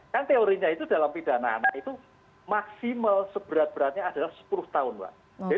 kan teorinya itu dalam pidana anak itu maksimal seberat beratnya adalah sepuluh tahun mbak